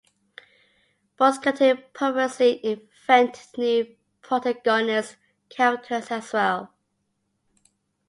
Both contain purposely invented new protagonist characters as well.